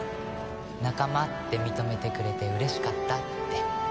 仲間って認めてくれて嬉しかったって。